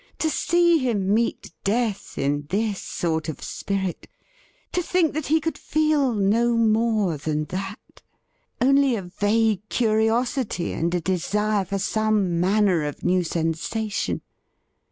To see him meet death in this sort of spirit ! To think that he could feel no more than that ! Only a vague curiosity and a desire for some manner of new sensation